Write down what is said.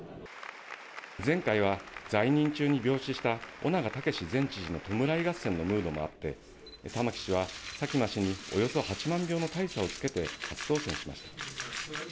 前回は在任中に病死した翁長雄志前知事の弔い合戦のムードもあって、玉城氏は佐喜真氏におよそ８万票の大差をつけて初当選しました。